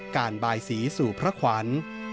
การบ่ายศรีสู่พระขวัญ